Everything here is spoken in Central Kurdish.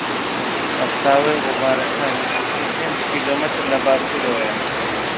سەرچاوەی ڕووبارەکە نزیکەی پێنج کیلۆمەتر لە باکوورەوەیە.